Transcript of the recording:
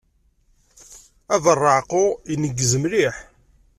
Abeṛṛeεqu ineggez mliḥ.